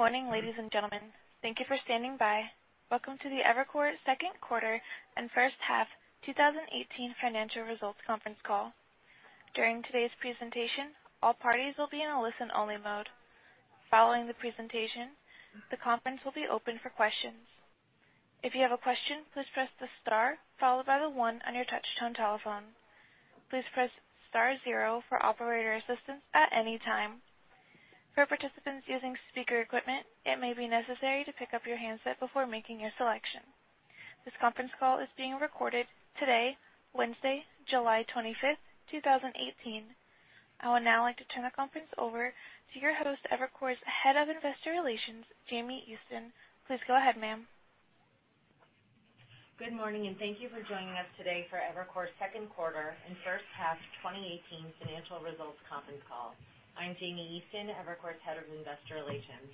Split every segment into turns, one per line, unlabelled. Morning, ladies and gentlemen. Thank you for standing by. Welcome to the Evercore second quarter and first half 2018 financial results conference call. During today's presentation, all parties will be in a listen-only mode. Following the presentation, the conference will be open for questions. If you have a question, please press the star followed by the one on your touch-tone telephone. Please press star zero for operator assistance at any time. For participants using speaker equipment, it may be necessary to pick up your handset before making a selection. This conference call is being recorded today, Wednesday, July 25th, 2018. I would now like to turn the conference over to your host, Evercore's Head of Investor Relations, Jamie Easton. Please go ahead, ma'am.
Good morning, and thank you for joining us today for Evercore's second quarter and first half 2018 financial results conference call. I am Jamie Easton, Evercore's Head of Investor Relations.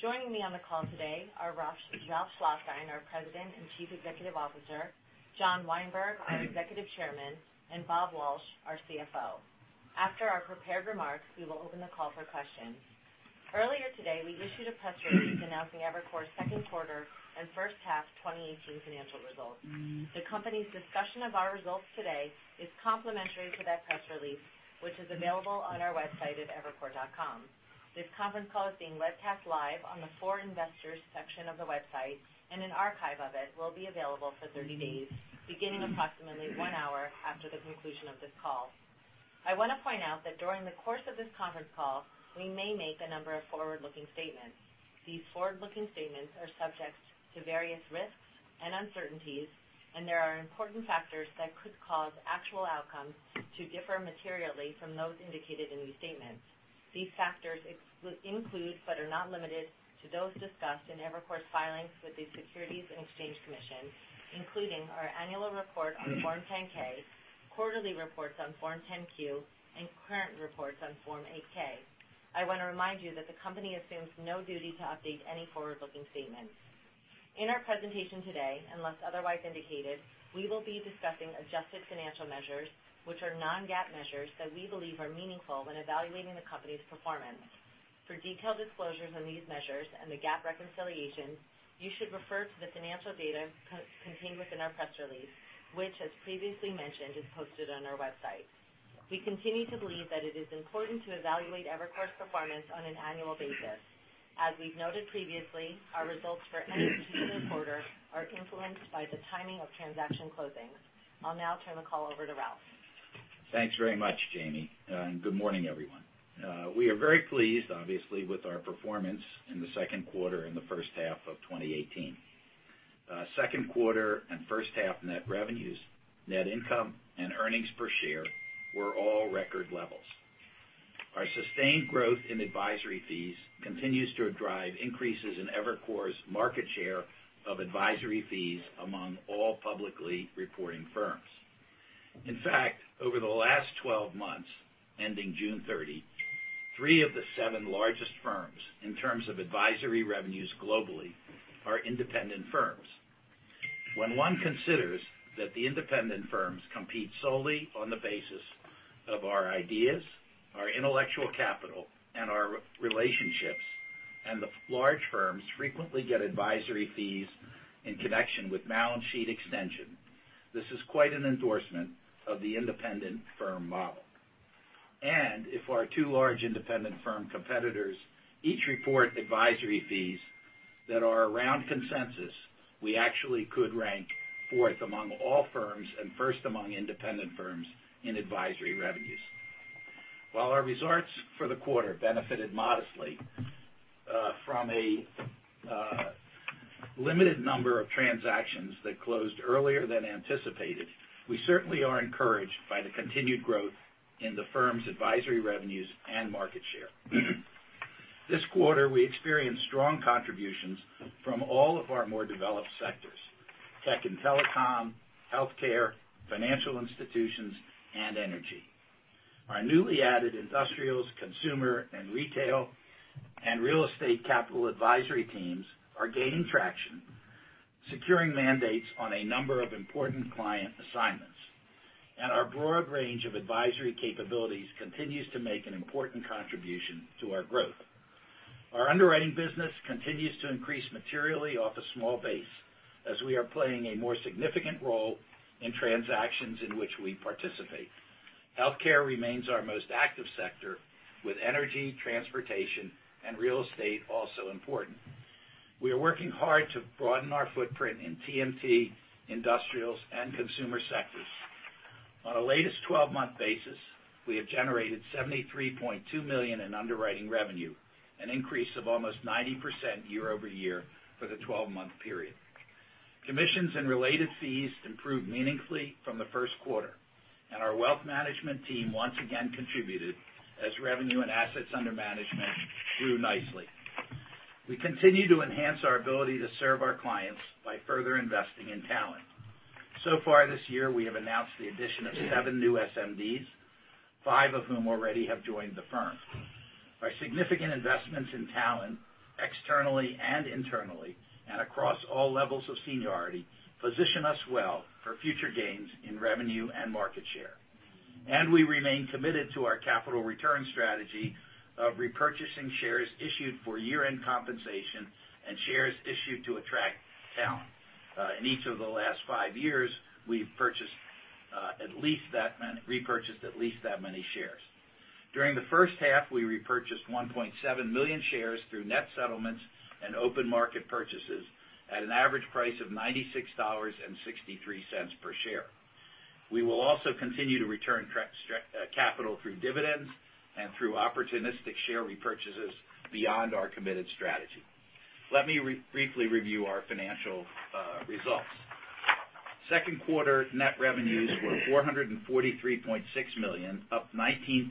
Joining me on the call today are Ralph Schlosstein, our President and Chief Executive Officer, John Weinberg, our Executive Chairman, and Robert Walsh, our CFO. After our prepared remarks, we will open the call for questions. Earlier today, we issued a press release announcing Evercore's second quarter and first half 2018 financial results. The company's discussion of our results today is complimentary to that press release, which is available on our website at evercore.com. This conference call is being webcast live on the For Investors section of the website, and an archive of it will be available for 30 days, beginning approximately one hour after the conclusion of this call. I want to point out that during the course of this conference call, we may make a number of forward-looking statements. These forward-looking statements are subject to various risks and uncertainties, and there are important factors that could cause actual outcomes to differ materially from those indicated in these statements. These factors include, but are not limited to, those discussed in Evercore's filings with the Securities and Exchange Commission, including our annual report on Form 10-K, quarterly reports on Form 10-Q, and current reports on Form 8-K. I want to remind you that the company assumes no duty to update any forward-looking statements. In our presentation today, unless otherwise indicated, we will be discussing adjusted financial measures, which are non-GAAP measures that we believe are meaningful when evaluating the company's performance. For detailed disclosures on these measures and the GAAP reconciliation, you should refer to the financial data contained within our press release, which, as previously mentioned, is posted on our website. We continue to believe that it is important to evaluate Evercore's performance on an annual basis. As we have noted previously, our results for any particular quarter are influenced by the timing of transaction closings. I will now turn the call over to Ralph.
Thanks very much, Jamie, good morning, everyone. We are very pleased, obviously, with our performance in the second quarter and the first half of 2018. Second quarter and first half net revenues, net income, and earnings per share were all record levels. Our sustained growth in advisory fees continues to drive increases in Evercore's market share of advisory fees among all publicly reporting firms. In fact, over the last 12 months, ending June 30, three of the seven largest firms, in terms of advisory revenues globally, are independent firms. When one considers that the independent firms compete solely on the basis of our ideas, our intellectual capital, and our relationships, the large firms frequently get advisory fees in connection with balance sheet extension, this is quite an endorsement of the independent firm model. If our two large independent firm competitors each report advisory fees that are around consensus, we actually could rank fourth among all firms and first among independent firms in advisory revenues. While our results for the quarter benefited modestly from a limited number of transactions that closed earlier than anticipated, we certainly are encouraged by the continued growth in the firm's advisory revenues and market share. This quarter, we experienced strong contributions from all of our more developed sectors, tech and telecom, healthcare, financial institutions, and energy. Our newly added industrials, consumer and retail, and real estate capital advisory teams are gaining traction, securing mandates on a number of important client assignments, our broad range of advisory capabilities continues to make an important contribution to our growth. Our underwriting business continues to increase materially off a small base as we are playing a more significant role in transactions in which we participate. Healthcare remains our most active sector, with energy, transportation, and real estate also important. We are working hard to broaden our footprint in TMT, industrials, and consumer sectors. On a latest 12-month basis, we have generated $73.2 million in underwriting revenue, an increase of almost 90% year-over-year for the 12-month period. Commissions and related fees improved meaningfully from the first quarter, our wealth management team once again contributed as revenue and assets under management grew nicely. We continue to enhance our ability to serve our clients by further investing in talent. Far this year, we have announced the addition of seven new SMDs, five of whom already have joined the firm. Our significant investments in talent, externally and internally, and across all levels of seniority, position us well for future gains in revenue and market share. We remain committed to our capital return strategy of repurchasing shares issued for year-end compensation and shares issued to attract talent. In each of the last five years, we've repurchased at least that many shares. During the first half, we repurchased 1.7 million shares through net settlements and open market purchases at an average price of $96.63 per share. We will also continue to return capital through dividends and through opportunistic share repurchases beyond our committed strategy. Let me briefly review our financial results. Second quarter net revenues were $443.6 million, up 19%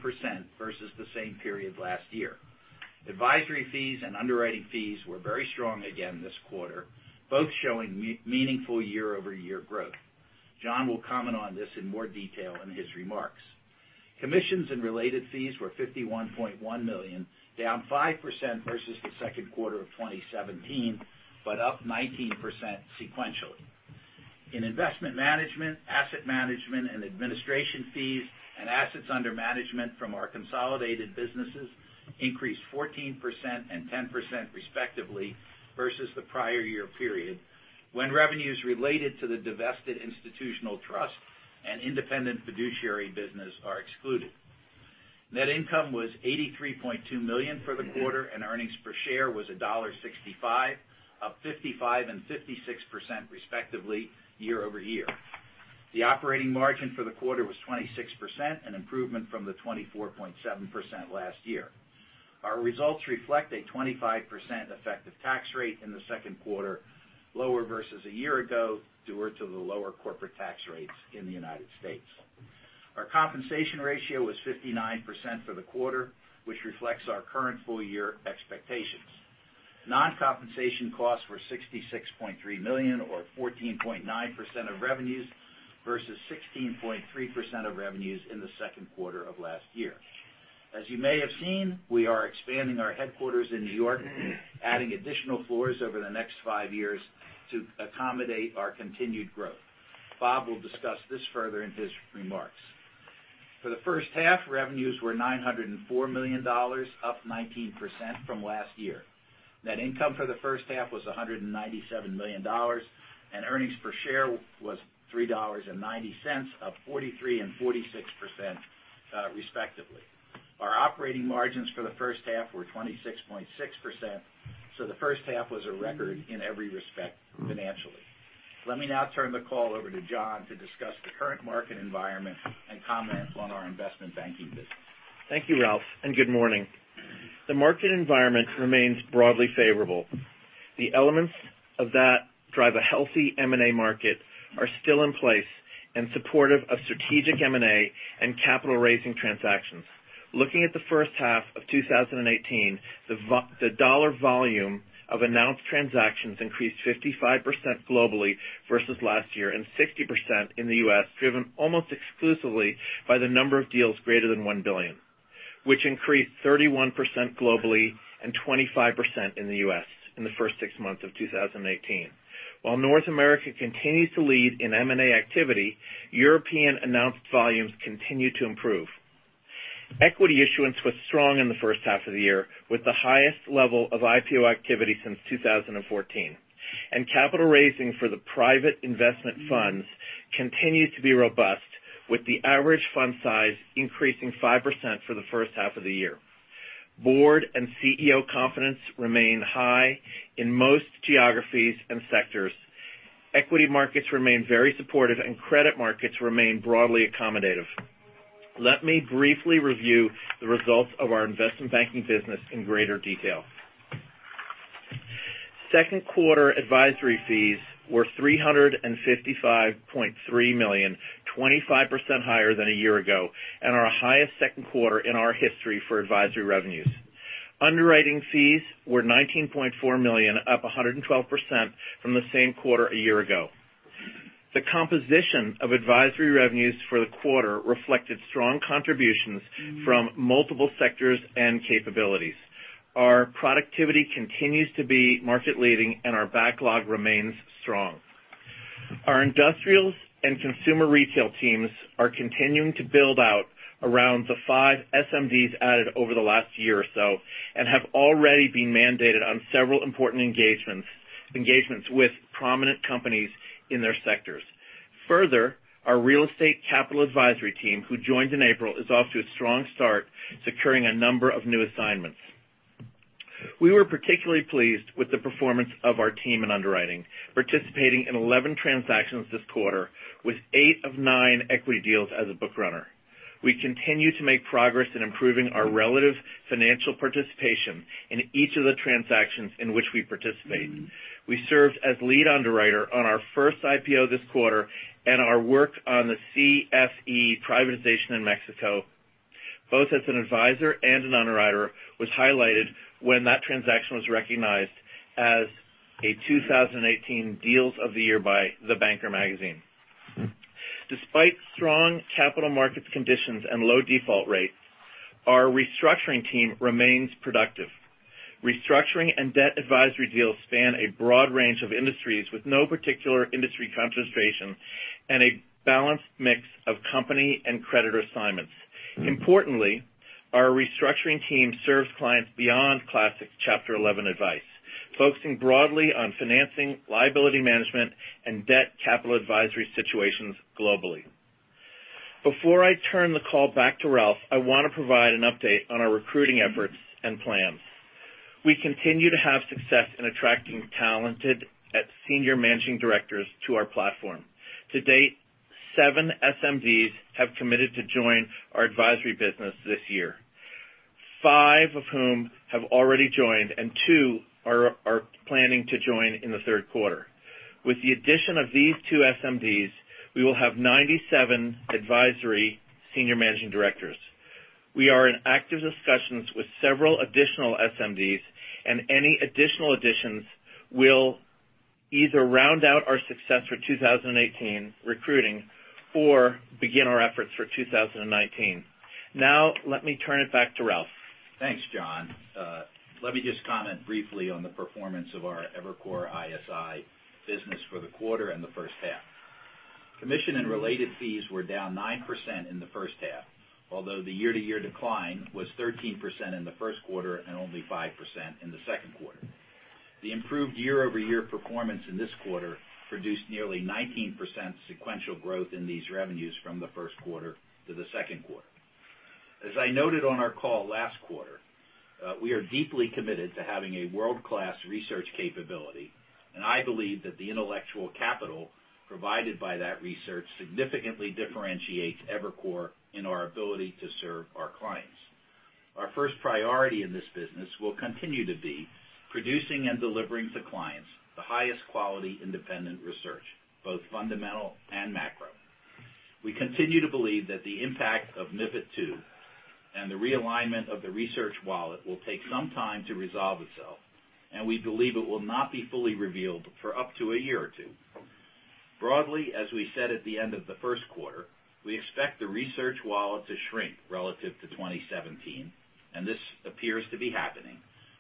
versus the same period last year. Advisory fees and underwriting fees were very strong again this quarter, both showing meaningful year-over-year growth. John will comment on this in more detail in his remarks. Commissions and related fees were $51.1 million, down 5% versus the second quarter of 2017, but up 19% sequentially. In Investment Management, Asset Management and Administration fees and assets under management from our consolidated businesses increased 14% and 10%, respectively, versus the prior year period, when revenues related to the divested institutional trust and independent fiduciary business are excluded. Net income was $83.2 million for the quarter, and earnings per share was $1.65, up 55% and 56%, respectively, year-over-year. The operating margin for the quarter was 26%, an improvement from the 24.7% last year. Our results reflect a 25% effective tax rate in the second quarter, lower versus a year ago, due to the lower corporate tax rates in the U.S. Our compensation ratio was 59% for the quarter, which reflects our current full-year expectations. Non-compensation costs were $66.3 million, or 14.9% of revenues, versus 16.3% of revenues in the second quarter of last year. As you may have seen, we are expanding our headquarters in New York, adding additional floors over the next five years to accommodate our continued growth. Bob will discuss this further in his remarks. For the first half, revenues were $904 million, up 19% from last year. Net income for the first half was $197 million, and earnings per share was $3.90, up 43% and 46%, respectively. Our operating margins for the first half were 26.6%, the first half was a record in every respect financially. Let me now turn the call over to John to discuss the current market environment and comment on our Investment Banking business.
Thank you, Ralph. Good morning. The market environment remains broadly favorable. The elements of that drive a healthy M&A market are still in place in support of strategic M&A and capital-raising transactions. Looking at the first half of 2018, the dollar volume of announced transactions increased 55% globally versus last year and 60% in the U.S., driven almost exclusively by the number of deals greater than $1 billion, which increased 31% globally and 25% in the U.S. in the first six months of 2018. While North America continues to lead in M&A activity, European announced volumes continue to improve. Equity issuance was strong in the first half of the year, with the highest level of IPO activity since 2014. Capital raising for the private investment funds continues to be robust, with the average fund size increasing 5% for the first half of the year. Board and CEO confidence remain high in most geographies and sectors. Equity markets remain very supportive. Credit markets remain broadly accommodative. Let me briefly review the results of our Investment Banking business in greater detail. Second quarter advisory fees were $355.3 million, 25% higher than a year ago, and our highest second quarter in our history for advisory revenues. Underwriting fees were $19.4 million, up 112% from the same quarter a year ago. The composition of advisory revenues for the quarter reflected strong contributions from multiple sectors and capabilities. Our productivity continues to be market leading, and our backlog remains strong. Our industrials and consumer retail teams are continuing to build out around the 5 SMDs added over the last year or so and have already been mandated on several important engagements with prominent companies in their sectors. Further, our real estate capital advisory team, who joined in April, is off to a strong start, securing a number of new assignments. We were particularly pleased with the performance of our team in underwriting, participating in 11 transactions this quarter with eight of nine equity deals as a book runner. We continue to make progress in improving our relative financial participation in each of the transactions in which we participate. We served as lead underwriter on our first IPO this quarter, and our work on the CFE privatization in Mexico, both as an advisor and an underwriter, was highlighted when that transaction was recognized as a 2018 Deals of the Year by The Banker magazine. Despite strong capital market conditions and low default rates. Our restructuring team remains productive. Restructuring and debt advisory deals span a broad range of industries with no particular industry concentration and a balanced mix of company and creditor assignments. Importantly, our restructuring team serves clients beyond classic Chapter 11 advice, focusing broadly on financing, liability management, and debt capital advisory situations globally. Before I turn the call back to Ralph, I want to provide an update on our recruiting efforts and plans. We continue to have success in attracting talented Senior Managing Directors to our platform. To date, seven SMDs have committed to join our advisory business this year. Five of whom have already joined, and two are planning to join in the third quarter. With the addition of these two SMDs, we will have 97 advisory Senior Managing Directors. Any additional additions will either round out our success for 2018 recruiting or begin our efforts for 2019. Let me turn it back to Ralph.
Thanks, John. Let me just comment briefly on the performance of our Evercore ISI business for the quarter and the first half. Commission and related fees were down 9% in the first half, although the year-to-year decline was 13% in the first quarter and only 5% in the second quarter. The improved year-over-year performance in this quarter produced nearly 19% sequential growth in these revenues from the first quarter to the second quarter. As I noted on our call last quarter, we are deeply committed to having a world-class research capability. I believe that the intellectual capital provided by that research significantly differentiates Evercore in our ability to serve our clients. Our first priority in this business will continue to be producing and delivering to clients the highest quality independent research, both fundamental and macro. We continue to believe that the impact of MiFID II and the realignment of the research wallet will take some time to resolve itself. We believe it will not be fully revealed for up to a year or two. Broadly, as we said at the end of the first quarter, we expect the research wallet to shrink relative to 2017. This appears to be happening.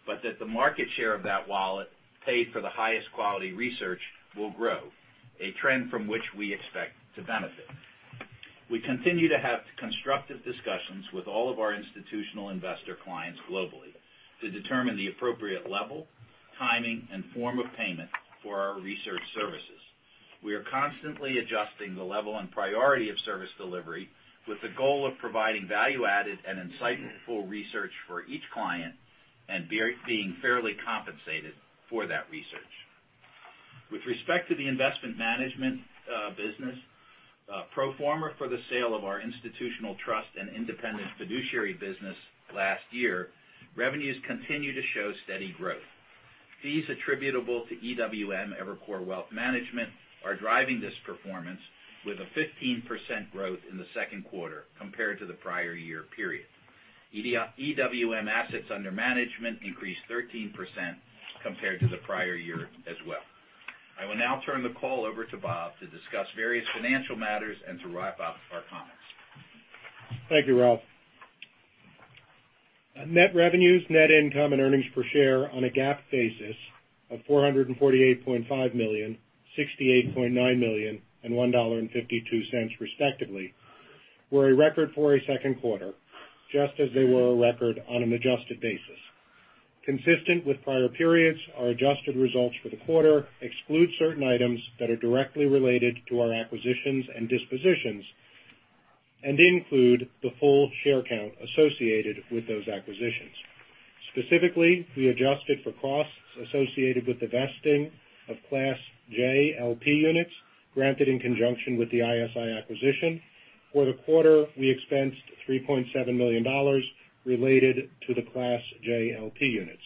That the market share of that wallet paid for the highest quality research will grow, a trend from which we expect to benefit. We continue to have constructive discussions with all of our institutional investor clients globally to determine the appropriate level, timing, and form of payment for our research services. We are constantly adjusting the level and priority of service delivery with the goal of providing value-added and insightful research for each client and being fairly compensated for that research. With respect to the investment management business, pro forma for the sale of our institutional trust and independent fiduciary business last year, revenues continue to show steady growth. Fees attributable to EWM, Evercore Wealth Management, are driving this performance with a 15% growth in the second quarter compared to the prior year period. EWM assets under management increased 13% compared to the prior year as well. I will now turn the call over to Bob to discuss various financial matters and to wrap up our comments.
Thank you, Ralph. Net revenues, net income, and earnings per share on a GAAP basis of $448.5 million, $68.9 million and $1.52 respectively, were a record for a second quarter, just as they were a record on an adjusted basis. Consistent with prior periods, our adjusted results for the quarter exclude certain items that are directly related to our acquisitions and dispositions and include the full share count associated with those acquisitions. Specifically, we adjusted for costs associated with the vesting of Class J LP units granted in conjunction with the ISI acquisition. For the quarter, we expensed $3.7 million related to the Class J LP units.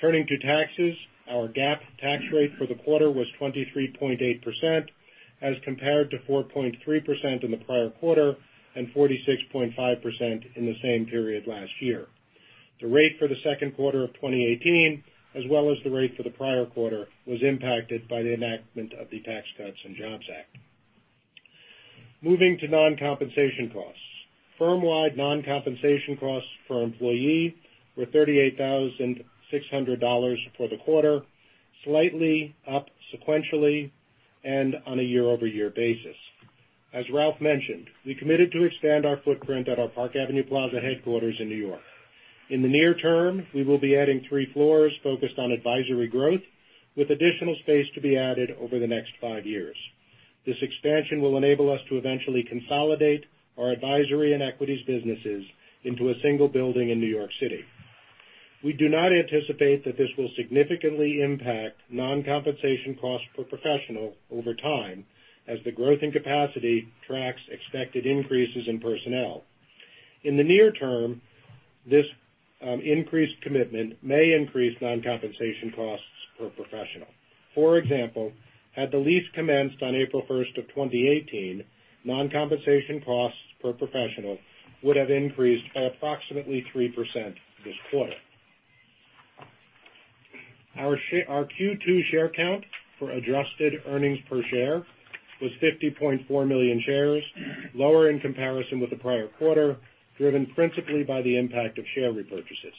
Turning to taxes, our GAAP tax rate for the quarter was 23.8% as compared to 4.3% in the prior quarter and 46.5% in the same period last year. The rate for the second quarter of 2018, as well as the rate for the prior quarter, was impacted by the enactment of the Tax Cuts and Jobs Act. Moving to non-compensation costs. Firmwide non-compensation costs per employee were $38,600 for the quarter. Slightly up sequentially and on a year-over-year basis. As Ralph mentioned, we committed to expand our footprint at our Park Avenue Plaza headquarters in New York. In the near term, we will be adding three floors focused on advisory growth, with additional space to be added over the next five years. This expansion will enable us to eventually consolidate our advisory and equities businesses into a single building in New York City. We do not anticipate that this will significantly impact non-compensation costs per professional over time as the growth in capacity tracks expected increases in personnel. In the near term, this increased commitment may increase non-compensation costs per professional. For example, had the lease commenced on April 1st of 2018, non-compensation costs per professional would have increased by approximately 3% this quarter. Our Q2 share count for adjusted earnings per share was 50.4 million shares, lower in comparison with the prior quarter, driven principally by the impact of share repurchases.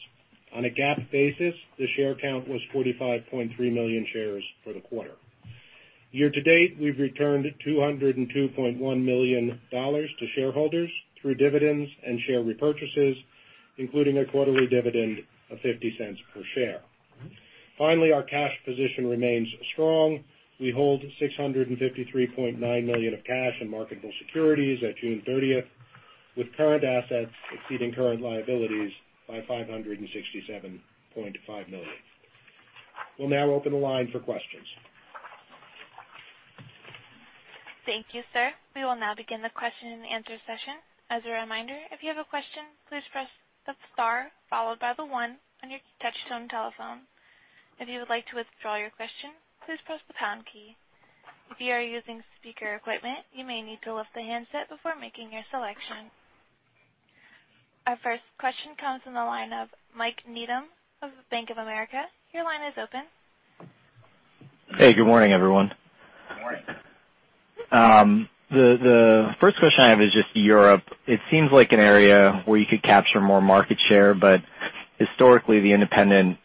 On a GAAP basis, the share count was 45.3 million shares for the quarter. Year to date, we've returned $202.1 million to shareholders through dividends and share repurchases, including a quarterly dividend of $0.50 per share. Finally, our cash position remains strong. We hold $653.9 million of cash in marketable securities at June 30th, with current assets exceeding current liabilities by $567.5 million. We'll now open the line for questions.
Thank you, sir. We will now begin the question and answer session. As a reminder, if you have a question, please press the star followed by the one on your touchtone telephone. If you would like to withdraw your question, please press the pound key. If you are using speaker equipment, you may need to lift the handset before making your selection. Our first question comes from the line of Michael Needham of Bank of America. Your line is open.
Hey, good morning, everyone.
Good morning.
The first question I have is just Europe. It seems like an area where you could capture more market share, but historically, the independent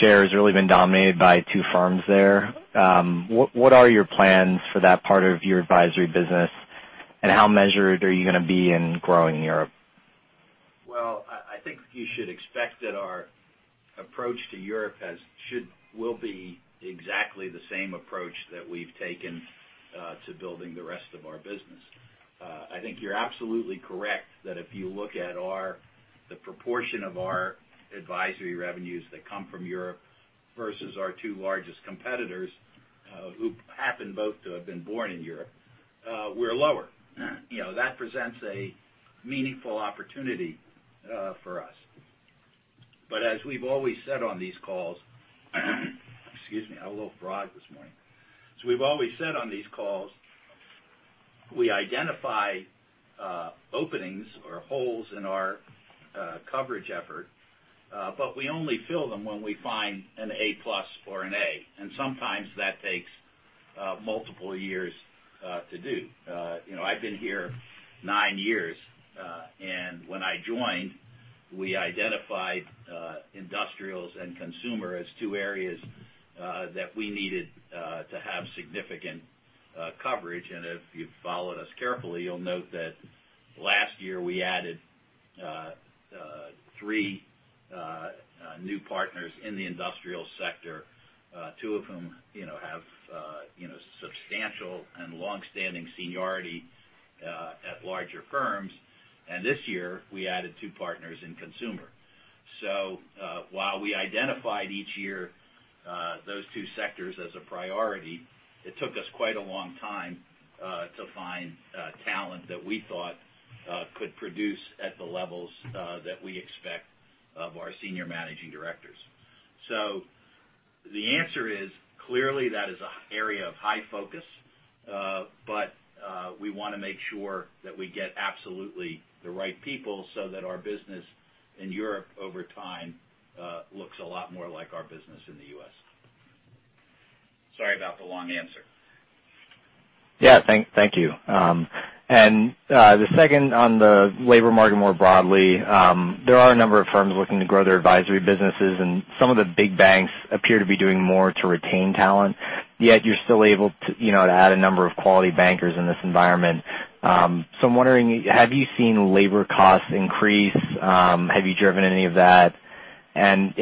share has really been dominated by two firms there. What are your plans for that part of your advisory business, and how measured are you going to be in growing Europe?
Well, I think you should expect that our approach to Europe will be exactly the same approach that we've taken to building the rest of our business. I think you're absolutely correct, that if you look at the proportion of our advisory revenues that come from Europe versus our two largest competitors, who happen both to have been born in Europe, we're lower. That presents a meaningful opportunity for us. As we've always said on these calls, excuse me, I have a little frog this morning. As we've always said on these calls, we identify openings or holes in our coverage effort, but we only fill them when we find an A+ or an A. Sometimes that takes multiple years to do. I've been here nine years, and when I joined, we identified industrials and consumer as two areas that we needed to have significant coverage. If you've followed us carefully, you'll note that last year we added three new partners in the industrial sector, two of whom have substantial and long-standing seniority at larger firms. This year we added two partners in consumer. While we identified each year those two sectors as a priority, it took us quite a long time to find talent that we thought could produce at the levels that we expect of our senior managing directors. The answer is, clearly that is an area of high focus. We want to make sure that we get absolutely the right people so that our business in Europe over time looks a lot more like our business in the U.S. Sorry about the long answer.
Yeah. Thank you. The second on the labor market, more broadly, there are a number of firms looking to grow their advisory businesses, and some of the big banks appear to be doing more to retain talent. Yet you're still able to add a number of quality bankers in this environment. I'm wondering, have you seen labor costs increase? Have you driven any of that? In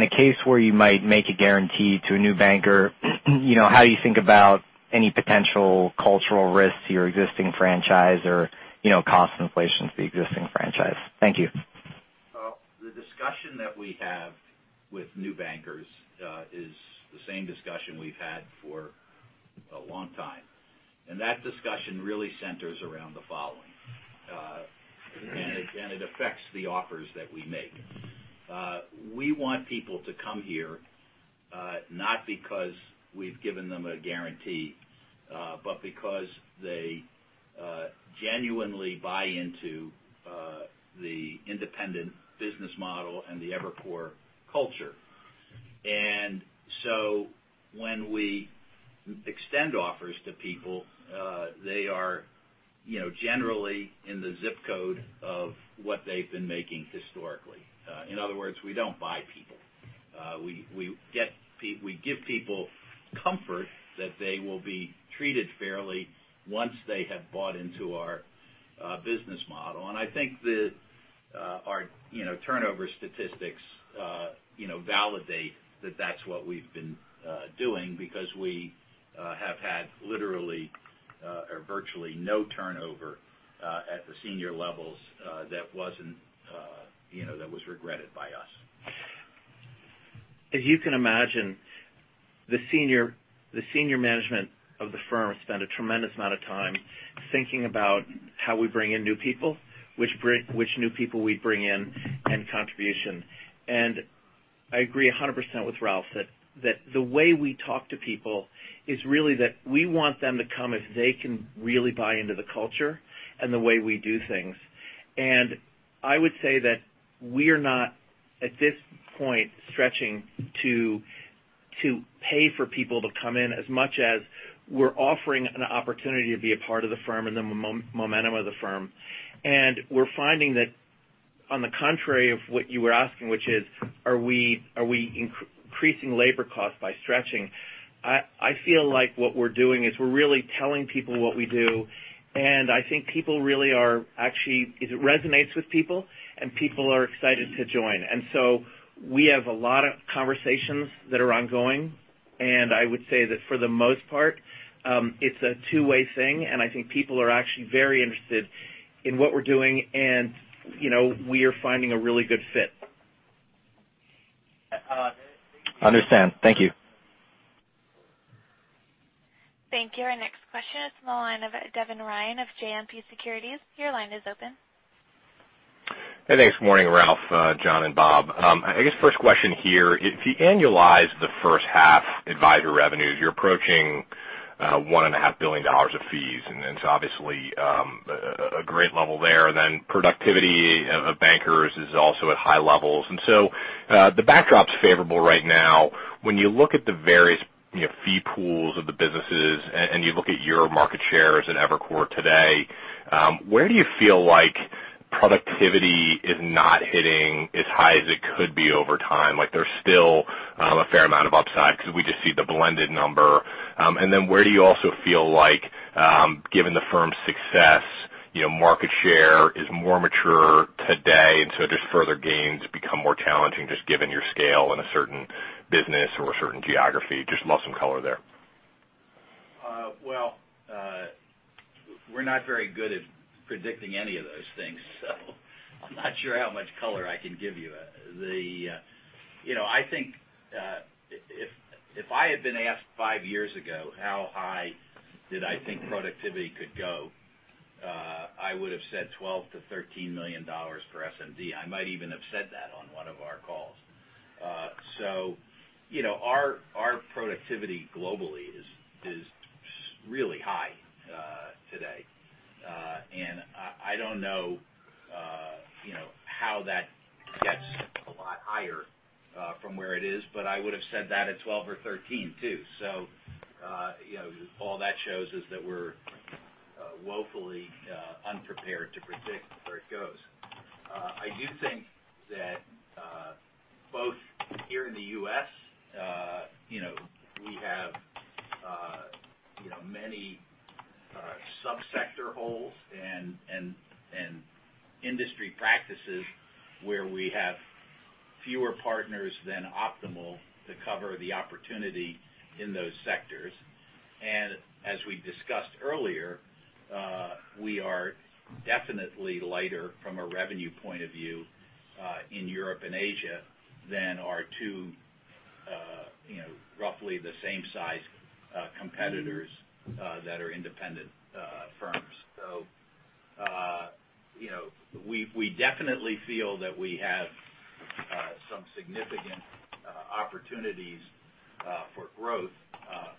the case where you might make a guarantee to a new banker, how do you think about any potential cultural risks to your existing franchise or cost inflation to the existing franchise? Thank you.
Well, the discussion that we have with new bankers, is the same discussion we've had for a long time. That discussion really centers around the following. It affects the offers that we make. We want people to come here, not because we've given them a guarantee, but because they genuinely buy into the independent business model and the Evercore culture. When we extend offers to people, they are generally in the ZIP code of what they've been making historically. In other words, we don't buy people. We give people comfort that they will be treated fairly once they have bought into our business model. I think that our turnover statistics validate that that's what we've been doing because we have had literally or virtually no turnover at the senior levels that was regretted by us.
As you can imagine, the senior management of the firm spend a tremendous amount of time thinking about how we bring in new people, which new people we bring in, and contribution. I agree 100% with Ralph that the way we talk to people is really that we want them to come if they can really buy into the culture and the way we do things. I would say that we're not, at this point, stretching to pay for people to come in as much as we're offering an opportunity to be a part of the firm and the momentum of the firm. We're finding that on the contrary of what you were asking, which is, are we increasing labor costs by stretching? I feel like what we're doing is we're really telling people what we do, and I think people really are actually, it resonates with people, and people are excited to join. We have a lot of conversations that are ongoing, I would say that for the most part, it's a two-way thing, I think people are actually very interested in what we're doing, We are finding a really good fit.
Understand. Thank you.
Thank you. Our next question is from the line of Devin Ryan of JMP Securities. Your line is open.
Hey, thanks. Morning, Ralph, John, and Bob. I guess first question here, if you annualize the first half advisor revenues, you're approaching $1.5 billion of fees. It's obviously a great level there. Productivity of bankers is also at high levels. The backdrop's favorable right now. When you look at the various fee pools of the businesses and you look at your market shares in Evercore today, where do you feel like productivity is not hitting as high as it could be over time? There's still a fair amount of upside because we just see the blended number. Where do you also feel like given the firm's success, market share is more mature today, just further gains become more challenging just given your scale in a certain business or a certain geography. Just would love some color there.
Well, we're not very good at predicting any of those things, so I'm not sure how much color I can give you. I think if I had been asked five years ago how high did I think productivity could go, I would've said $12 to $13 million per SMD. I might even have said that on one of our calls. Our productivity globally is really high today. I don't know how that gets a lot higher from where it is, but I would've said that at 12 or 13 too. All that shows is that we're woefully unprepared to predict where it goes. I do think that both here in the U.S. we have many sub-sector holes and industry practices where we have fewer partners than optimal to cover the opportunity in those sectors. As we discussed earlier, we are definitely lighter from a revenue point of view in Europe and Asia than our two roughly the same size competitors that are independent firms. We definitely feel that we have some significant opportunities for growth,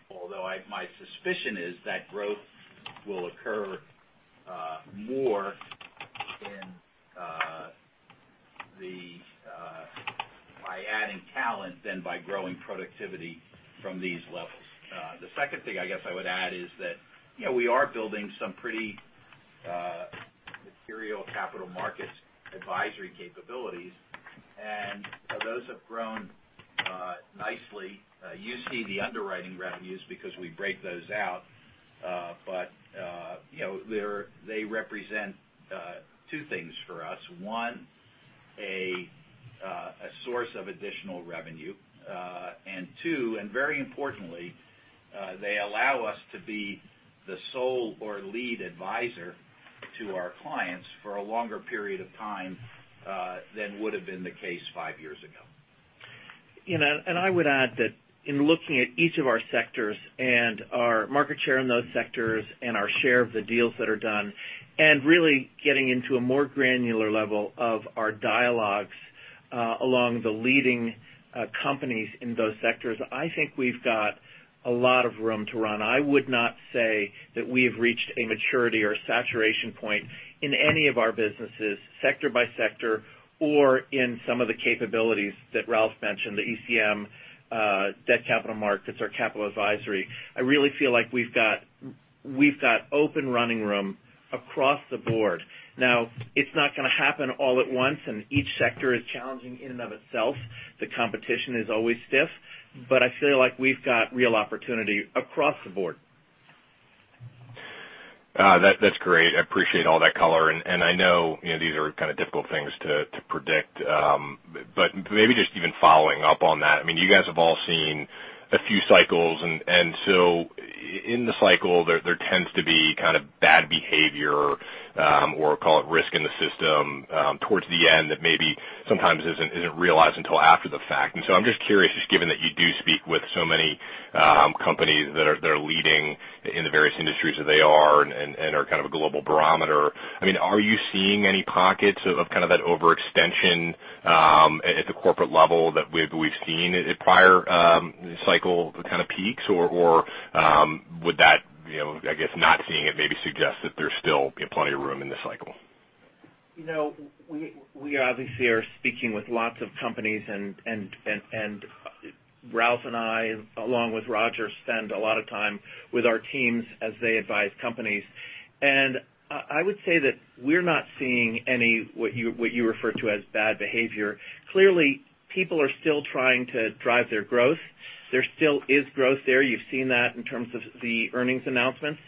although my suspicion is that growth will occur more by adding talent than by growing productivity from these levels. The second thing I guess I would add is that we are building some pretty material capital markets advisory capabilities. Those have grown nicely. You see the underwriting revenues because we break those out. They represent two things for us. One, a source of additional revenue. And two, and very importantly, they allow us to be the sole or lead advisor to our clients for a longer period of time than would've been the case five years ago.
I would add that in looking at each of our sectors and our market share in those sectors and our share of the deals that are done, and really getting into a more granular level of our dialogues along the leading companies in those sectors, I think we've got a lot of room to run. I would not say that we have reached a maturity or saturation point in any of our businesses, sector by sector, or in some of the capabilities that Ralph mentioned, the ECM, debt capital markets, or capital advisory. I really feel like we've got open running room across the board. It's not going to happen all at once, and each sector is challenging in and of itself. The competition is always stiff, but I feel like we've got real opportunity across the board.
That's great. I appreciate all that color, and I know these are kind of difficult things to predict. Maybe just even following up on that. You guys have all seen a few cycles, in the cycle, there tends to be kind of bad behavior, or call it risk in the system towards the end that maybe sometimes isn't realized until after the fact. I'm just curious, just given that you do speak with so many companies that are leading in the various industries that they are and are kind of a global barometer. Are you seeing any pockets of that overextension at the corporate level that we've seen at prior cycle kind of peaks? Or would that, I guess not seeing it maybe suggest that there's still plenty of room in this cycle?
We obviously are speaking with lots of companies, Ralph and I, along with Roger, spend a lot of time with our teams as they advise companies. I would say that we're not seeing any, what you refer to as bad behavior. Clearly, people are still trying to drive their growth. There still is growth there. You've seen that in terms of the earnings announcements.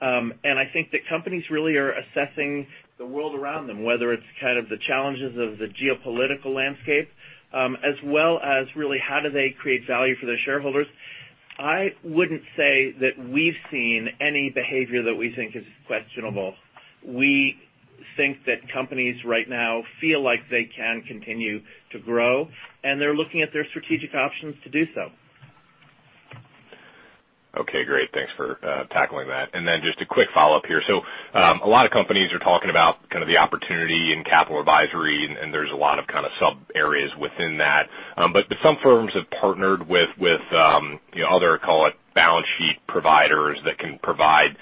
I think that companies really are assessing the world around them, whether it's the challenges of the geopolitical landscape, as well as really how do they create value for their shareholders. I wouldn't say that we've seen any behavior that we think is questionable. We think that companies right now feel like they can continue to grow, and they're looking at their strategic options to do so.
Okay, great. Thanks for tackling that. Just a quick follow-up here. A lot of companies are talking about the opportunity in capital advisory, and there's a lot of sub-areas within that. Some firms have partnered with other, call it balance sheet providers that can provide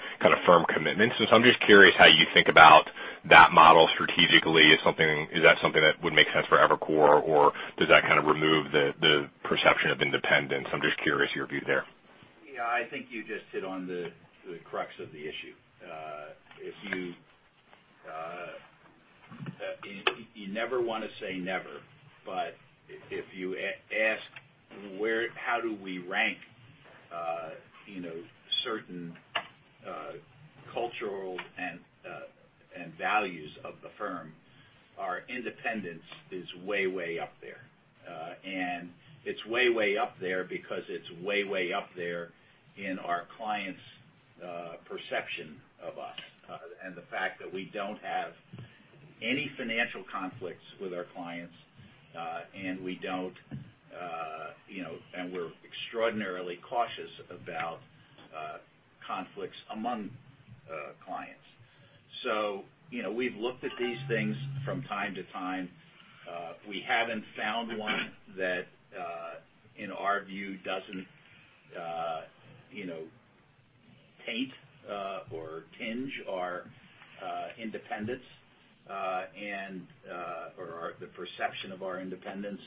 firm commitments. I'm just curious how you think about that model strategically. Is that something that would make sense for Evercore, or does that kind of remove the perception of independence? I'm just curious your view there.
Yeah, I think you just hit on the crux of the issue. You never want to say never, but if you ask how do we rank certain cultural and values of the firm, our independence is way up there. It's way up there because it's way up there in our clients' perception of us. The fact that we don't have any financial conflicts with our clients, and we're extraordinarily cautious about conflicts among clients. We've looked at these things from time to time. We haven't found one that, in our view, doesn't paint or tinge our independence, or the perception of our independence.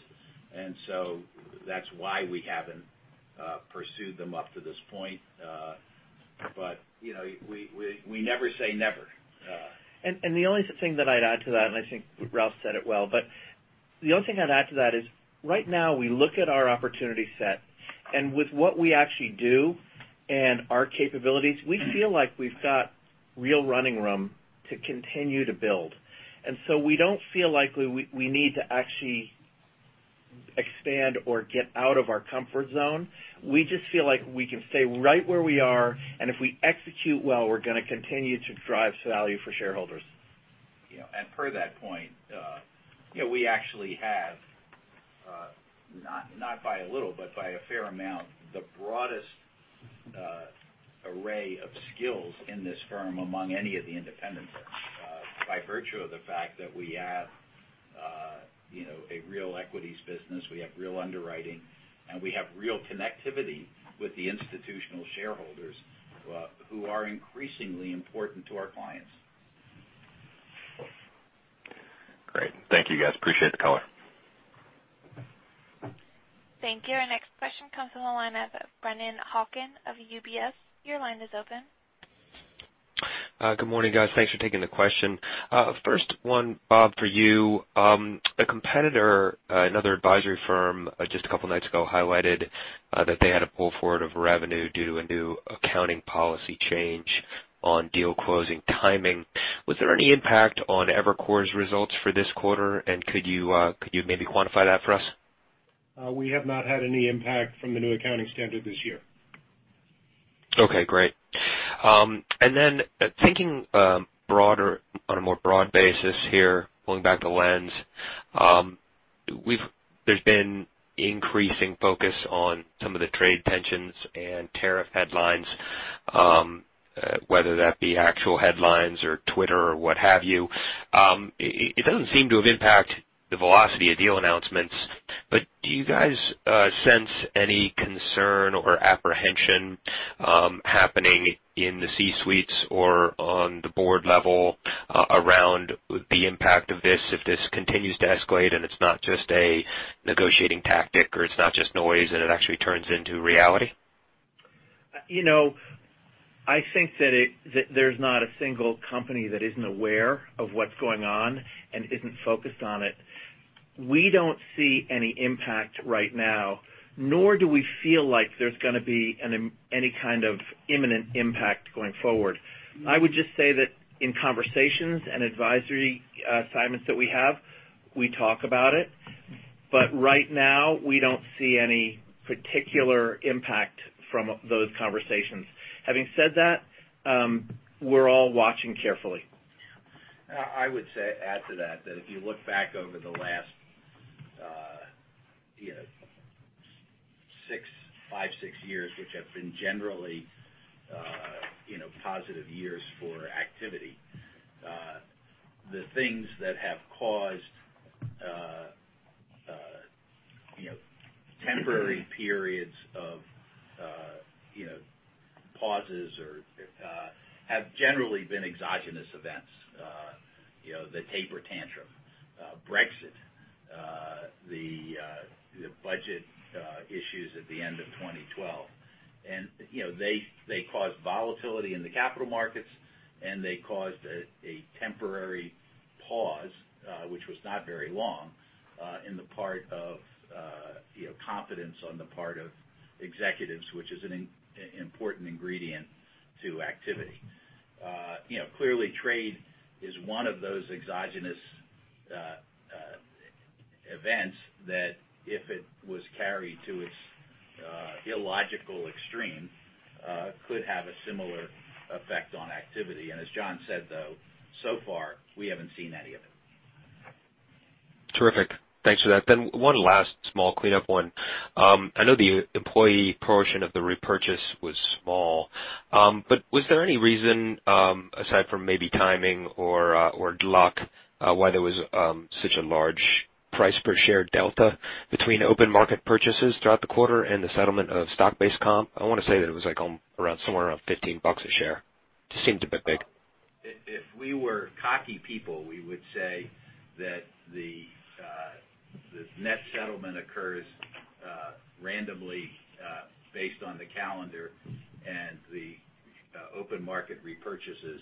That's why we haven't pursued them up to this point. We never say never.
The only thing that I'd add to that, and I think Ralph said it well, but the only thing I'd add to that is right now we look at our opportunity set, and with what we actually do and our capabilities, we feel like we've got real running room to continue to build. We don't feel like we need to actually expand or get out of our comfort zone. We just feel like we can stay right where we are, and if we execute well, we're going to continue to drive value for shareholders.
Per that point, we actually have, not by a little, but by a fair amount, the broadest array of skills in this firm among any of the independents by virtue of the fact that we have a real equities business, we have real underwriting, and we have real connectivity with the institutional shareholders who are increasingly important to our clients.
Great. Thank you, guys. Appreciate the color.
Thank you. Our next question comes from the line of Brennan Hawken of UBS. Your line is open.
Good morning, guys. Thanks for taking the question. First one, Bob, for you. A competitor, another advisory firm, just a couple of nights ago, highlighted that they had to pull forward of revenue due to a new accounting policy change on deal closing timing. Was there any impact on Evercore's results for this quarter, and could you maybe quantify that for us?
We have not had any impact from the new accounting standard this year.
Okay, great. Thinking on a more broad basis here, pulling back the lens. There's been increasing focus on some of the trade tensions and tariff headlines, whether that be actual headlines or Twitter or what have you. It doesn't seem to have impacted the velocity of deal announcements, but do you guys sense any concern or apprehension happening in the C-suites or on the board level around the impact of this if this continues to escalate and it's not just a negotiating tactic, or it's not just noise, and it actually turns into reality?
I think that there's not a single company that isn't aware of what's going on and isn't focused on it. We don't see any impact right now, nor do we feel like there's going to be any kind of imminent impact going forward. I would just say that in conversations and advisory assignments that we have, we talk about it, but right now, we don't see any particular impact from those conversations. Having said that, we're all watching carefully.
I would add to that if you look back over the last five, six years, which have been generally positive years for activity. The things that have caused temporary periods of pauses have generally been exogenous events. The taper tantrum, Brexit, the budget issues at the end of 2012. They caused volatility in the capital markets, and they caused a temporary pause, which was not very long, in the part of confidence on the part of executives, which is an important ingredient to activity. Clearly, trade is one of those exogenous events that if it was carried to its illogical extreme, could have a similar effect on activity. As John said, though, so far, we haven't seen any of it.
Terrific. Thanks for that. One last small cleanup one. I know the employee portion of the repurchase was small. Was there any reason, aside from maybe timing or luck, why there was such a large price per share delta between open market purchases throughout the quarter and the settlement of stock-based comp? I want to say that it was somewhere around $15 a share. Just seemed a bit big.
If we were cocky people, we would say that the net settlement occurs randomly based on the calendar, and the open market repurchases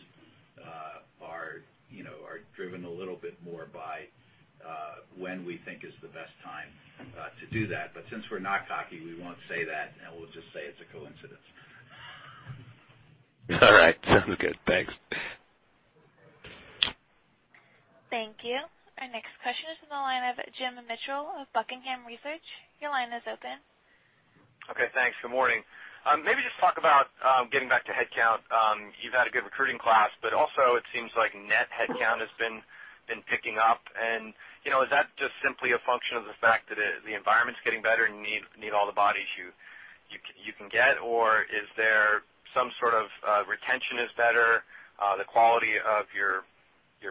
are driven a little bit more by when we think is the best time to do that. Since we're not cocky, we won't say that, and we'll just say it's a coincidence.
All right. Sounds good. Thanks.
Thank you. Our next question is in the line of Jim Mitchell of Buckingham Research. Your line is open.
Okay. Thanks. Good morning. Maybe just talk about getting back to headcount. You've had a good recruiting class, but also it seems like net headcount has been picking up. Is that just simply a function of the fact that the environment's getting better and you need all the bodies you can get, or is there some sort of retention is better, the quality of your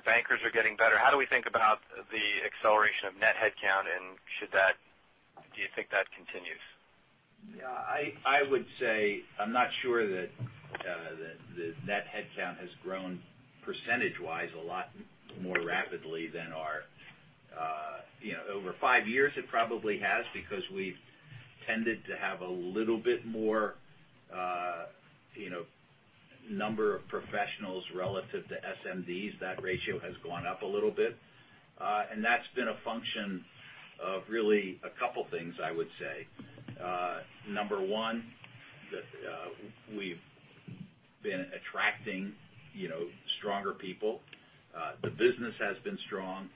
bankers are getting better? How do we think about the acceleration of net headcount, and do you think that continues?
Yeah. I would say I'm not sure that the net headcount has grown percentage-wise a lot more rapidly than our. Over five years it probably has because we've tended to have a little bit more number of professionals relative to SMDs. That ratio has gone up a little bit. That's been a function of really a couple things, I would say. Number 1, that we've been attracting stronger people. The business has been strong.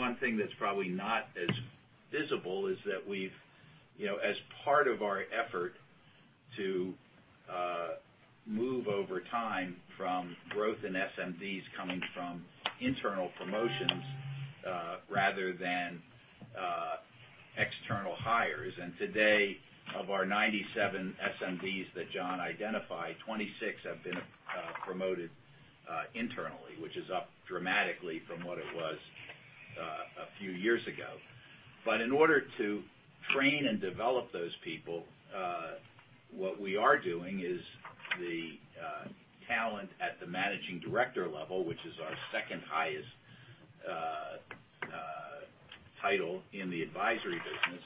One thing that's probably not as visible is that we've, as part of our effort to move over time from growth in SMDs coming from internal promotions rather than external hires. Today, of our 97 SMDs that John identified, 26 have been promoted internally, which is up dramatically from what it was a few years ago. In order to train and develop those people, what we are doing is the talent at the managing director level, which is our second highest title in the advisory business,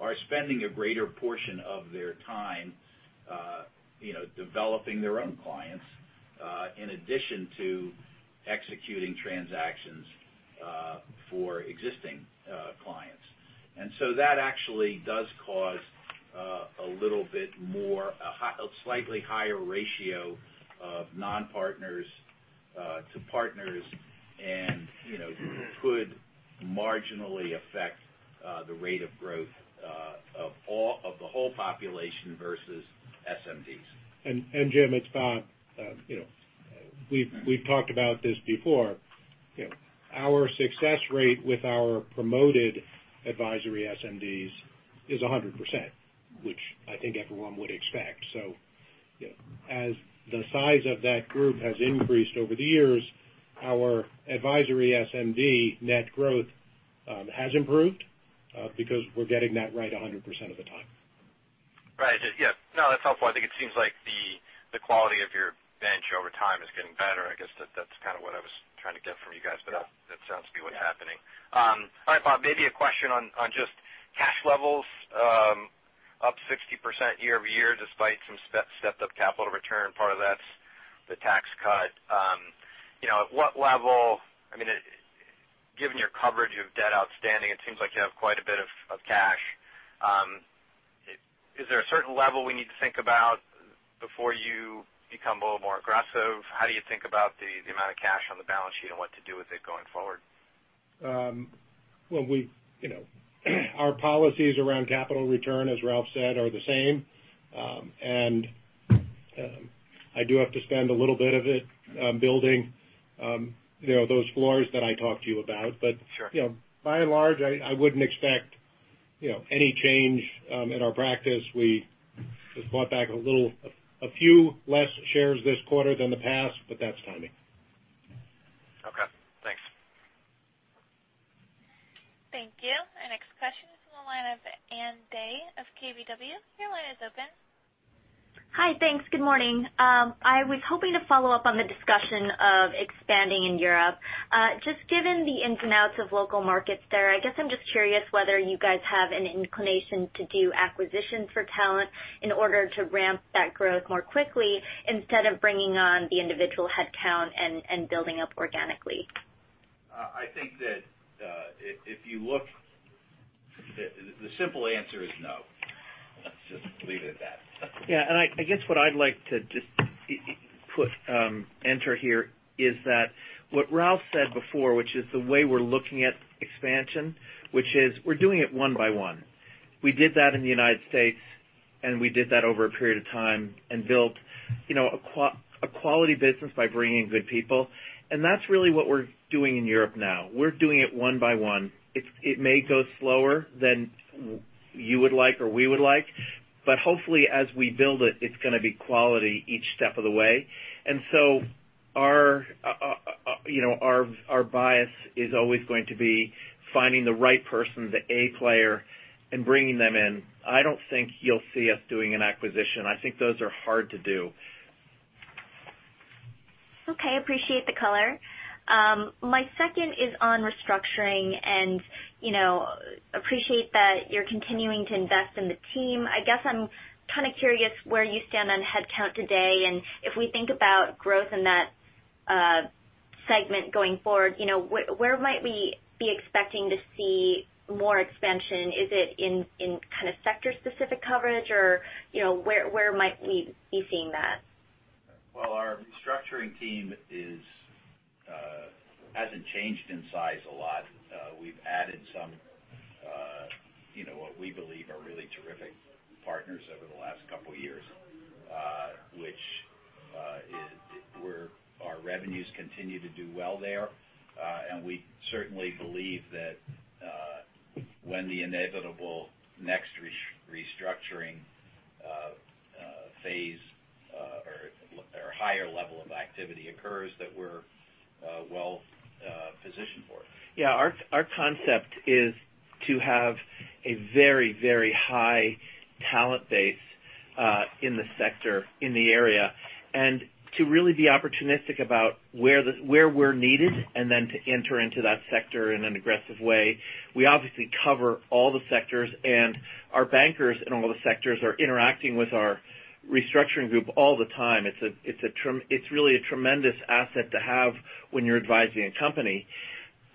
are spending a greater portion of their time developing their own clients in addition to executing transactions for existing clients. That actually does cause a little bit more, a slightly higher ratio of non-partners to partners and could marginally affect the rate of growth of the whole population versus SMDs.
Jim, it's Bob. We've talked about this before. Our success rate with our promoted advisory SMDs is 100%, which I think everyone would expect. As the size of that group has increased over the years, our advisory SMD net growth has improved because we're getting that right 100% of the time.
Right. That's helpful. I think it seems like the quality of your bench over time is getting better. I guess that's kind of what I was trying to get from you guys, but that sounds to be what's happening. All right, Bob, maybe a question on just cash levels, up 60% year-over-year despite some stepped up capital return. Part of that's the Tax Cut. At what level, given your coverage of debt outstanding, it seems like you have quite a bit of cash. Is there a certain level we need to think about before you become a little more aggressive? How do you think about the amount of cash on the balance sheet and what to do with it going forward?
Our policies around capital return, as Ralph said, are the same. I do have to spend a little bit of it building those floors that I talked to you about.
Sure.
By and large, I wouldn't expect any change in our practice. We just bought back a few less shares this quarter than the past, but that's timing.
Okay. Thanks.
Thank you. Our next question is from the line of Ann Dai of KBW. Your line is open.
Hi. Thanks. Good morning. I was hoping to follow up on the discussion of expanding in Europe. Just given the ins and outs of local markets there, I guess I'm just curious whether you guys have an inclination to do acquisitions for talent in order to ramp that growth more quickly instead of bringing on the individual headcount and building up organically.
I think that if you look, the simple answer is no. Let's just leave it at that.
Yeah. I guess what I'd like to just enter here is that what Ralph said before, which is the way we're looking at expansion, which is we're doing it one by one. We did that in the United States, and we did that over a period of time and built a quality business by bringing good people. That's really what we're doing in Europe now. We're doing it one by one. It may go slower than you would like or we would like, but hopefully, as we build it's going to be quality each step of the way. Our bias is always going to be finding the right person, the A player, and bringing them in. I don't think you'll see us doing an acquisition. I think those are hard to do.
Okay. Appreciate the color. My second is on restructuring and appreciate that you're continuing to invest in the team. I guess I'm kind of curious where you stand on headcount today, and if we think about growth in that segment going forward, where might we be expecting to see more expansion? Is it in kind of sector-specific coverage, or where might we be seeing that?
Well, our restructuring team hasn't changed in size a lot. We've added some, what we believe are really terrific partners over the last couple of years. Our revenues continue to do well there. We certainly believe that when the inevitable next restructuring phase or higher level of activity occurs, that we're well-positioned for it.
Yeah, our concept is to have a very high talent base, in the sector, in the area, and to really be opportunistic about where we're needed and then to enter into that sector in an aggressive way. We obviously cover all the sectors, and our bankers in all the sectors are interacting with our restructuring group all the time. It's really a tremendous asset to have when you're advising a company.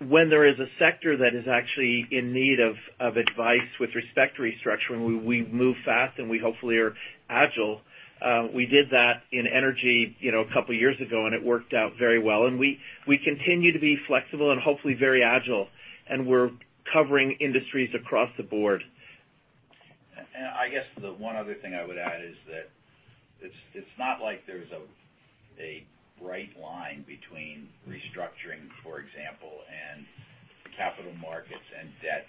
When there is a sector that is actually in need of advice with respect to restructuring, we move fast, and we hopefully are agile. We did that in energy a couple of years ago, and it worked out very well, and we continue to be flexible and hopefully very agile, and we're covering industries across the board.
I guess the one other thing I would add is that it's not like there's a bright line between restructuring, for example, and capital markets and debt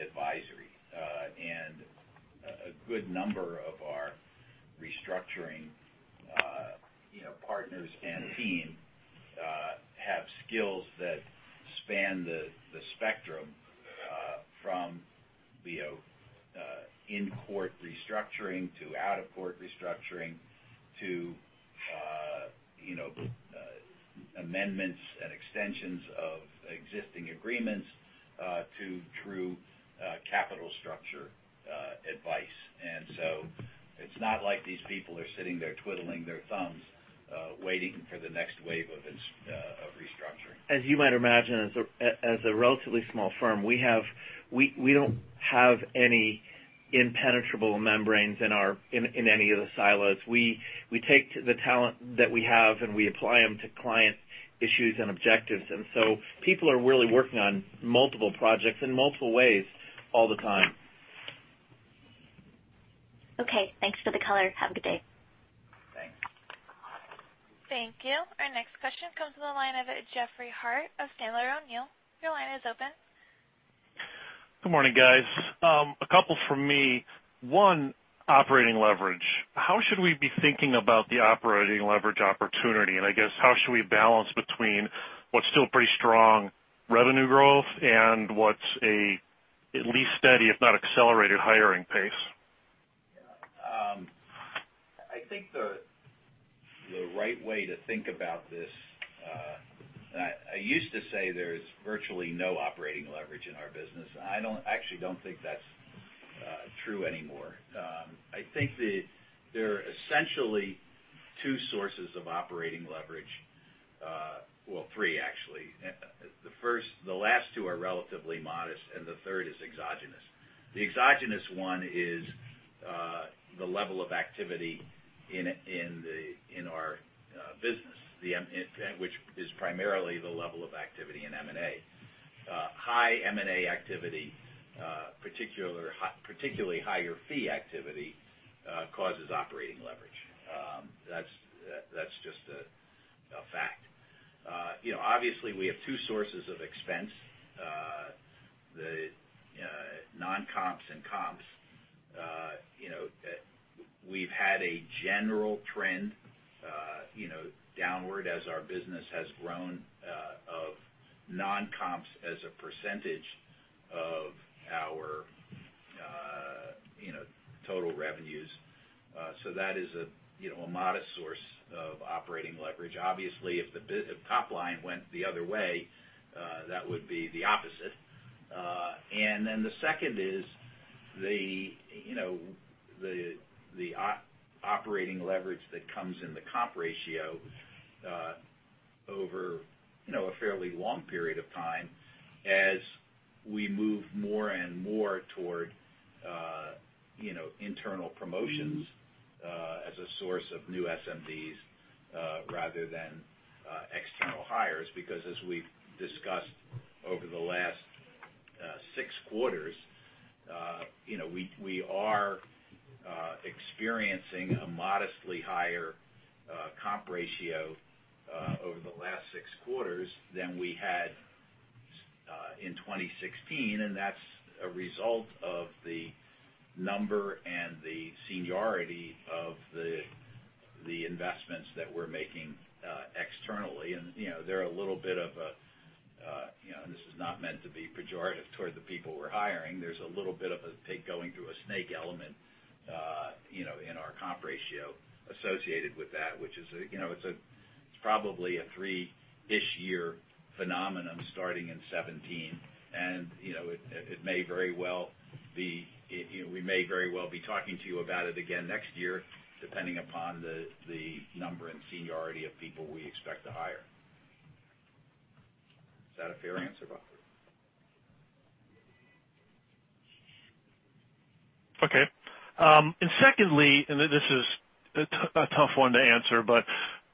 advisory. A good number of our restructuring partners and team have skills that span the spectrum from in-court restructuring to out-of-court restructuring to amendments and extensions of existing agreements to true capital structure advice. So it's not like these people are sitting there twiddling their thumbs, waiting for the next wave of restructuring.
As you might imagine, as a relatively small firm, we don't have any impenetrable membranes in any of the silos. We take the talent that we have, and we apply them to client issues and objectives, and so people are really working on multiple projects in multiple ways all the time.
Okay, thanks for the color. Have a good day.
Thanks.
Thank you. Our next question comes from the line of Jeffery Harte of Sandler O'Neill. Your line is open.
Good morning, guys. A couple from me. One, operating leverage. How should we be thinking about the operating leverage opportunity? I guess how should we balance between what's still pretty strong revenue growth and what's a at least steady, if not accelerated hiring pace?
I think the right way to think about this, I used to say there's virtually no operating leverage in our business. I actually don't think that's true anymore. I think that there are essentially two sources of operating leverage. Well, three, actually. The last two are relatively modest, and the third is exogenous. The exogenous one is the level of activity in our business, which is primarily the level of activity in M&A. High M&A activity, particularly higher fee activity, causes operating leverage. That's just a fact. Obviously, we have two sources of expense. We've had a general trend downward as our business has grown of non-comps as a percentage of our total revenues. That is a modest source of operating leverage. Obviously, if the top line went the other way, that would be the opposite. The second is the operating leverage that comes in the comp ratio over a fairly long period of time as we move more and more toward internal promotions as a source of new SMDs rather than external hires. Because as we've discussed over the last 6 quarters, we are experiencing a modestly higher comp ratio over the last 6 quarters than we had in 2016, and that's a result of the number and the seniority of the investments that we're making externally. This is not meant to be pejorative toward the people we're hiring. There's a little bit of a pig going through a snake element in our comp ratio associated with that, which it's probably a three-ish year phenomenon starting in 2017. We may very well be talking to you about it again next year, depending upon the number and seniority of people we expect to hire. Is that a fair answer, Bob?
Okay. Secondly, this is a tough one to answer, but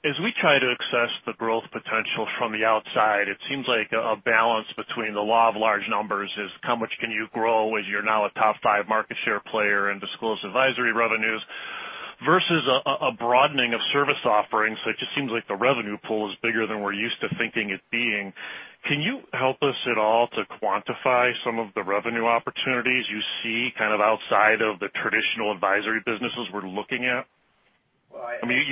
as we try to assess the growth potential from the outside, it seems like a balance between the law of large numbers is how much can you grow as you're now a top five market share player in disclosed advisory revenues versus a broadening of service offerings. It just seems like the revenue pool is bigger than we're used to thinking it being. Can you help us at all to quantify some of the revenue opportunities you see outside of the traditional advisory businesses we're looking at?
Well, I think.
I mean,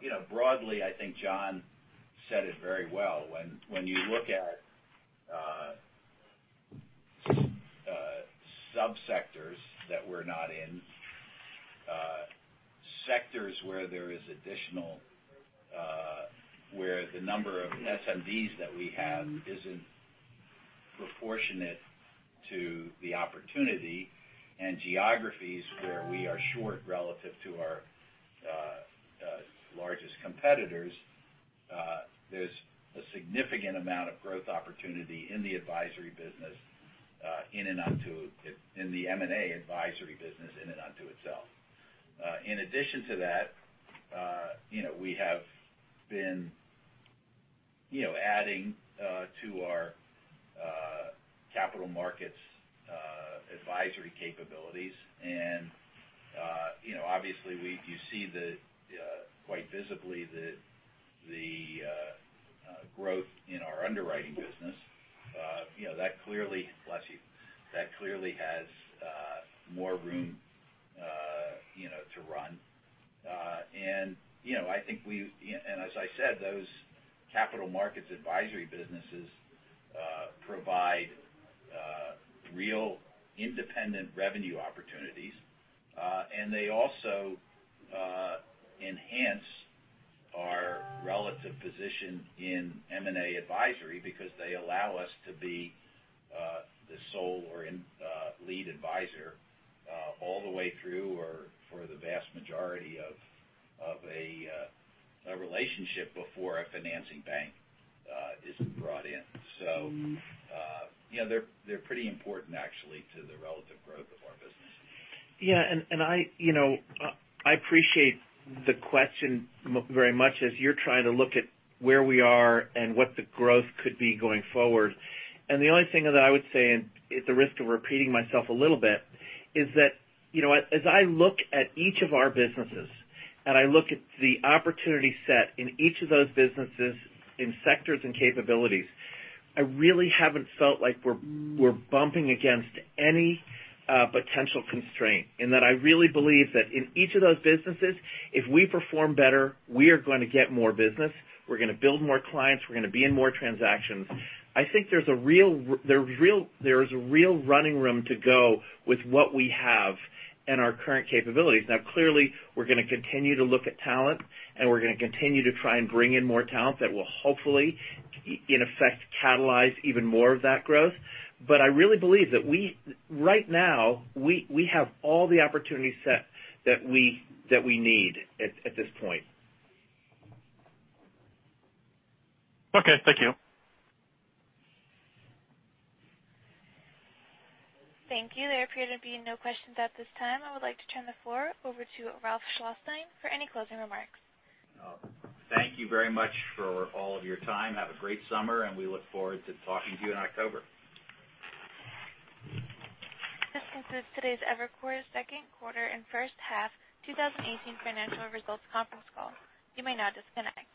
you.
Broadly, I think John said it very well. When you look at sub-sectors that we're not in, sectors where there is additional where the number of SMDs that we have isn't proportionate to the opportunity and geographies where we are short relative to our largest competitors, there's a significant amount of growth opportunity in the advisory business in and unto itself. In addition to that, we have been adding to our capital markets advisory capabilities and obviously you see the, quite visibly, the growth in our underwriting business. That clearly. Bless you. That clearly has more room to run. As I said, those capital markets advisory businesses provide real independent revenue opportunities. They also enhance our relative position in M&A advisory because they allow us to be the sole or lead advisor all the way through or for the vast majority of a relationship before a financing bank is brought in. They're pretty important actually to the relative growth of our business.
Yeah. I appreciate the question very much as you're trying to look at where we are and what the growth could be going forward. The only thing that I would say, and at the risk of repeating myself a little bit, is that as I look at each of our businesses and I look at the opportunity set in each of those businesses in sectors and capabilities, I really haven't felt like we're bumping against any potential constraint. In that I really believe that in each of those businesses, if we perform better, we are going to get more business, we're going to build more clients, we're going to be in more transactions. I think there's a real running room to go with what we have and our current capabilities. Clearly, we're going to continue to look at talent, and we're going to continue to try and bring in more talent that will hopefully, in effect, catalyze even more of that growth. I really believe that we, right now, have all the opportunity set that we need at this point.
Thank you.
Thank you. There appear to be no questions at this time. I would like to turn the floor over to Ralph Schlosstein for any closing remarks.
Thank you very much for all of your time. Have a great summer. We look forward to talking to you in October.
This concludes today's Evercore's second quarter and first half 2018 financial results conference call. You may now disconnect.